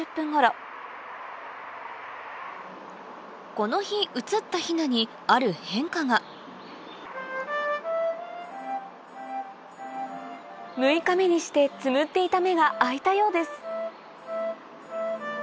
この日映ったヒナにある変化が６日目にしてつむっていた目が開いたようです